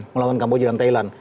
melawan kamboya dan thailand